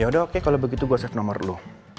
yaudah oke kalau begitu gue save nomer lu